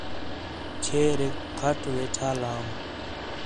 چھیریک کھٹ ویٹھالام